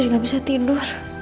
dan sabar buat nino